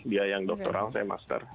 dia yang doktoral saya master